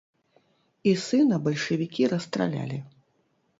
І сына бальшавікі расстралялі.